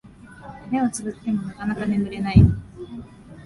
目をつぶってもなかなか眠れない